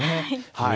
はい。